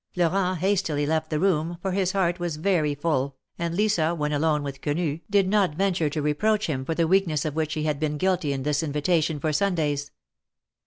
Florent hastily left the room, for his heart was very full, and Lisa, when alone with Quenu, did not venture to reproach him for the weakness of which he had been guilty in this invitation for Sundays.